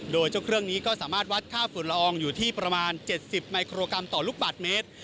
โดยเจ้าเครื่องนี้ก็สามารถวัดค่าฝุ่นละอองอยู่ที่ประมาณ๗๐มิโครกรัมต่อลูกบาทเมตร